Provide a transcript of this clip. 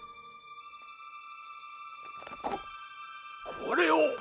ここれを。